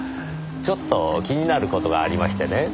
ちょっと気になる事がありましてね。